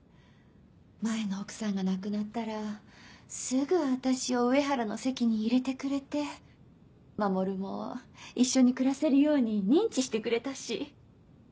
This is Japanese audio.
前の奥さんが亡くなったらすぐ私を上原の籍に入れてくれて守も一緒に暮らせるように認知してくれたし。